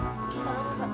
iya pak ustadz